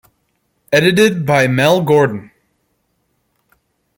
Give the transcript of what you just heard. Edited by Mel Gordon.